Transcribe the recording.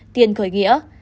tiền khởi nghĩa